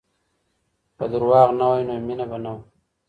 که دروغ نه وای نو مینه به نه وه.